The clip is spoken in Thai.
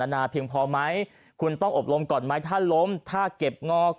นาเพียงพอไหมคุณต้องอบรมก่อนไหมถ้าล้มถ้าเก็บงอก